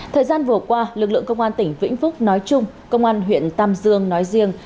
thời gian vừa qua lực lượng công an tỉnh vĩnh phúc nói chung công an huyện tam dương nói riêng